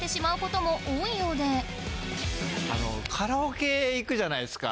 そのせいでカラオケ行くじゃないですか。